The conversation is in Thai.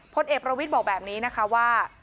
พลเอกประวิทย์บอกแบบนี้นะคะว่า